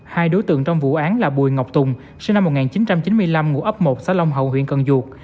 hai đối tượng trong vụ án là bùi ngọc tùng sinh năm một nghìn chín trăm chín mươi năm ngụ ấp một xã long hậu huyện cần duộc